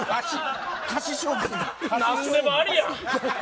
何でもありやん。